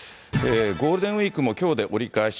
ゴールデンウィークもきょうで折り返し。